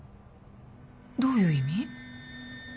どういう意味？